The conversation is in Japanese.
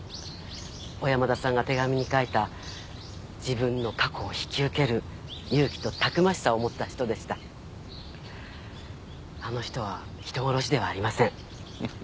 小山田さんが手紙に書いた自分の過去を引き受ける勇気とたくましさを持った人でしたあの人は人殺しではありませんフフ